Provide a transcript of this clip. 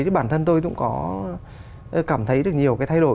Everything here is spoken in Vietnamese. bản thân tôi cũng có cảm thấy được nhiều cái thay đổi